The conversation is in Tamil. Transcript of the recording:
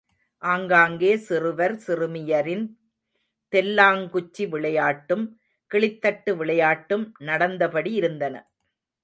ஆங்காங்கே சிறுவர் சிறுமியரின் தெல்லாங்குச்சி விளையாட்டும், கிளித்தட்டு விளையாட்டும் நடந்தபடி இருந்தன.